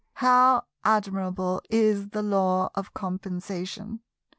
How admirable is the Law of Compensation!